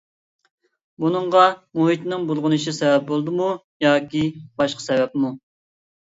بۇنىڭغا مۇھىتنىڭ بۇلغىنىشى سەۋەب بولدىمۇ ياكى باشقا سەۋەبمۇ؟